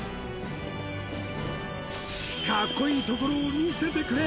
いいところを見せてくれ！